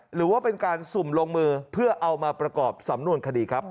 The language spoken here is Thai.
หรือว่าเป็นการสุ่มลงมือเพื่อเอามาประกอบสำนวนคดีครับ